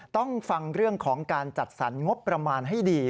ต้องฟังเรื่องของการจัดสรรงบประมาณให้ดี